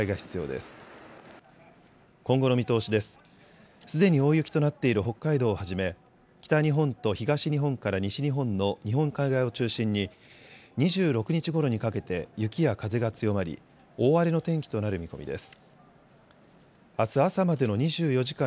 すでに大雪となっている北海道をはじめ北日本と東日本から西日本の日本海側を中心に２６日ごろにかけて雪や風が強まり、大荒れの天気となる見込みです。